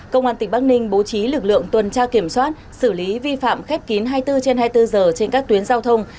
công an tỉnh bắc ninh bố trí lực lượng tuần tra kiểm soát xử lý vi phạm khép kín hai mươi bốn trên hai mươi bốn giờ trên các tuyến giao thông